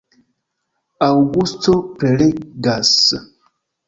Aŭgusto prelegas.